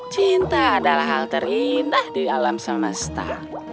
cinta adalah hal terindah di alam semesta